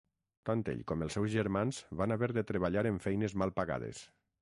Tant ell com els seus germans van haver de treballar en feines mal pagades.